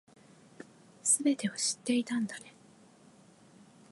全てを知っていたんだね